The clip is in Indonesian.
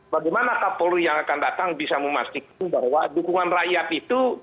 bagaimana kapolri yang akan datang bisa memastikan bahwa dukungan rakyat itu